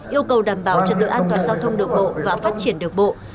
yêu cầu đảm bảo trật tự an toàn giao thông đường bộ và phát triển đường bộ